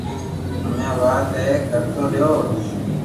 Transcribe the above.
ھمي اون آ اي ڪرتو ريو